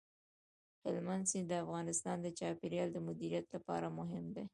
هلمند سیند د افغانستان د چاپیریال د مدیریت لپاره مهم دي.